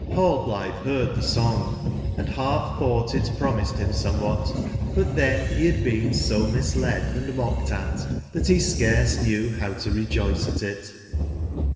jHLLBLirne beard tbe song, and balf tbougbt it promised bim somewbat; but tben be bad been so misled and mocked at, tbat be scarce knew bow to rejoice at it.